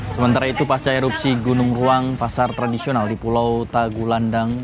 sementara itu pasca erupsi gunung ruang pasar tradisional di pulau tagulandang